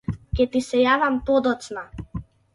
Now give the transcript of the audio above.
Ќе ти се јавам подоцна.